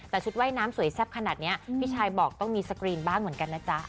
แต่ชุดว่ายน้ำสวยแซ่บขนาดนี้พี่ชายบอกต้องมีสกรีนบ้างเหมือนกันนะจ๊ะ